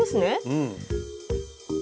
うん。